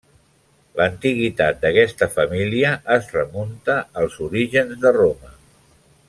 L'antiguitat d'aquesta família es remunta als orígens de Roma.